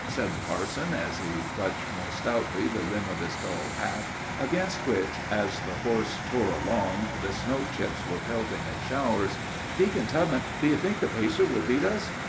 said the parson, as he clutched the rim of his tall hat, against which, as the horse tore along, the snow chips were pelting in showers, more stoutly, "Deacon Tubman! do you think the pacer will beat us?"